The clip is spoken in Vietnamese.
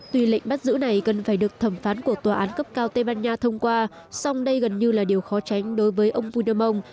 tuy lệnh bắt giữ này cần phải được thẩm phán của tòa án cấp cao tây ban nha thông qua song đây gần như là điều khó tránh đối với ông vui